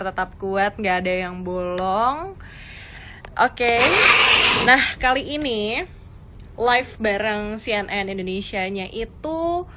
tetap kuat enggak ada yang bolong oke nah kali ini live bareng cnn indonesia nya itu